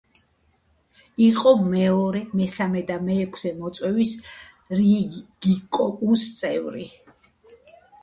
იყო მეორე, მესამე და მეექვსე მოწვევის რიიგიკოგუს წევრი.